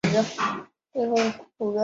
壬酸铵是具有溶解性的。